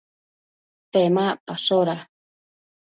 Pemacpashoda